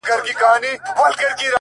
داسي په ماښام سترگي راواړوه _